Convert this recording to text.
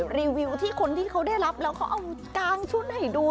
รีวิวที่คนต้องได้รับการชุดดู